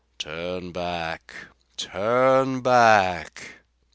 "Turn back! Turn back!"